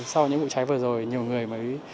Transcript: sau những vụ cháy vừa rồi nhiều người mới